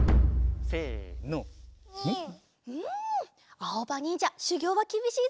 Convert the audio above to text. あおばにんじゃしゅぎょうはきびしいぞ。